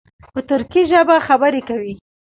په ترکي ژبه خبرې کوي.